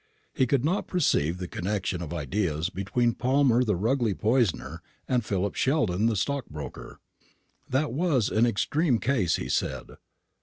He could not perceive the connection of ideas between Palmer the Rugely poisoner, and Philip Sheldon the stockbroker. "That was an extreme case," he said.